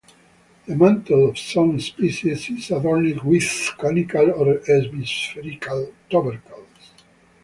The mantle of some species is adorned with conical or hemispherical tubercles.